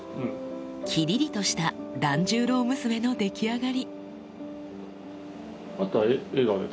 きりりとした團十郎娘の出来上がり